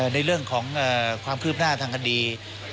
ในเรื่องของความคืบหน้าทางคดี